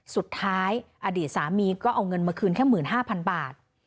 สุดท้ายอดีตสามีก็เอาเงินมาคืนแค่หมื่นห้าพันบาท